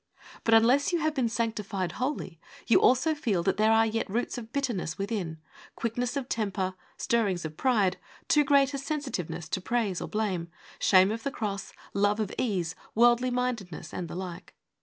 But unless you 6 THE WAY OF HOLINESS have been sanctified wholly, you also feel that there are yet roots of bitterness within ; quickness of temper, stirrings of pride, too great a sensitiveness to praise or blame, shame of the Cross, love of ease, worldly mindedness, and the like.